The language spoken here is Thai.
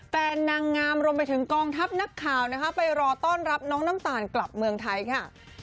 นางงามรวมไปถึงกองทัพนักข่าวนะคะไปรอต้อนรับน้องน้ำตาลกลับเมืองไทยค่ะ